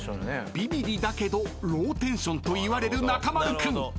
［ビビりだけどローテンションと言われる中丸君］